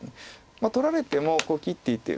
取られても切っていて。